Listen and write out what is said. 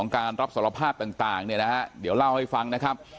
การรับสารภาพต่างเนี่ยนะฮะเดี๋ยวเล่าให้ฟังนะครับ